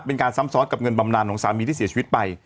เป็นการซ้ำซ้อนกับเงินบำนานของสามีที่เสียชีวิตไป